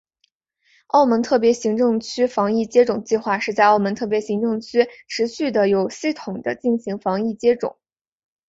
澳门特别行政区防疫接种计划是在澳门特别行政区持续地有系统地进行的防疫接种。